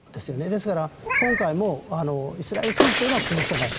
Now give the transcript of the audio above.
ですから今回もイスラエル支持というのは崩さない。